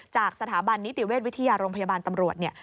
จากสถาบันนิติเวชวิทยาโรงพยาบาลตำรวจเนี่ย